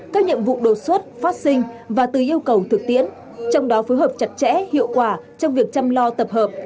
các nhiệm vụ đột xuất phát sinh và từ yêu cầu thực tiễn trong đó phối hợp chặt chẽ hiệu quả trong việc chăm lo tập hợp